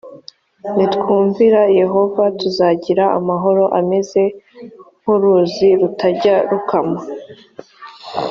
nitwumvira yehova tuzagira amahoro ameze nk uruzi rutajya rukama